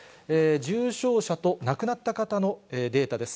重症者と亡くなった方のデータです。